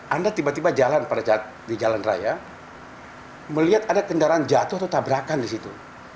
anda tiba tiba jalan pada di jalan raya melihat ada kendaraan jatuh atau tabrakan di situ